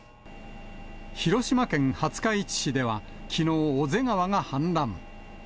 広島県廿日市市では、きのう、小瀬川が氾濫。